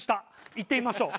行ってみましょう。